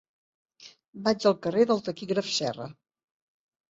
Vaig al carrer del Taquígraf Serra.